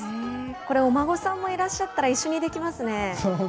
これ、お孫さんもいらっしゃったら、一緒にできますね。